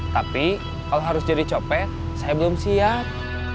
tapi kalau harus jadi copet saya belum siap